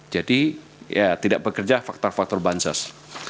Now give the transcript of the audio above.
jadi ya tidak bekerja faktor faktor bansos